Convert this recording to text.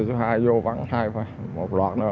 số hai vô bắn hai một lọt nữa